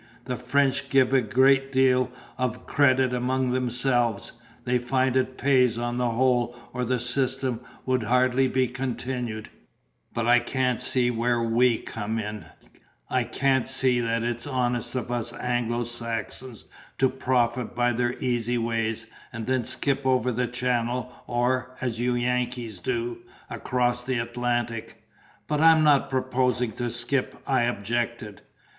"The French give a great deal of credit amongst themselves; they find it pays on the whole, or the system would hardly be continued; but I can't see where WE come in; I can't see that it's honest of us Anglo Saxons to profit by their easy ways, and then skip over the Channel or (as you Yankees do) across the Atlantic." "But I'm not proposing to skip," I objected.